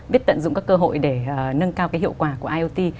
biết tận dụng các cơ hội để nâng cao hiệu quả của iot